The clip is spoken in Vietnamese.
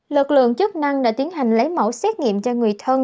lực lượng chức năng đã tiến hành lấy mẫu xét nghiệm cho người thân